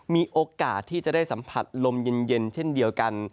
มีโอกาสที่จะได้สัมผัสลมเย็นเช่นเดียวกัน